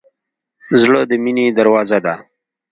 زړه د مینې دروازه ده.